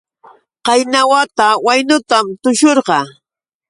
Qayna wata waynutam tushurqaa.